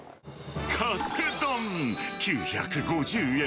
カツ丼９５０円。